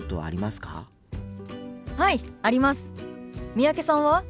三宅さんは？